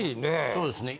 そうですね。